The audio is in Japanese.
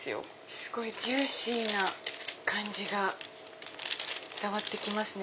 すごいジューシーな感じが伝わって来ますね。